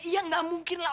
iya ga mungkin lah